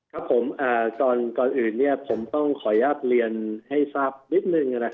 ก่อนอื่นผมต้องเคย๊บเรียนให้ทราบนิดนึง